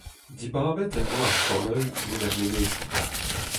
Dibabet en doa ar familh mont er menezioù.